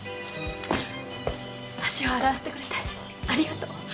足を洗わせてくれてありがとう。